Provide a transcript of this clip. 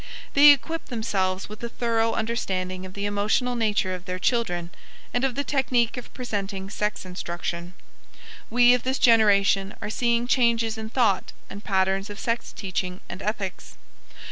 They equip themselves with a thorough understanding of the emotional nature of their children and of the technique of presenting sex instruction. We of this generation are seeing changes in thought and patterns of sex teaching and ethics.